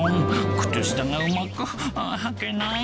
靴下がうまく、あぁ、履けない。